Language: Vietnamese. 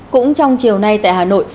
cũng trong chiều nay tại hà nội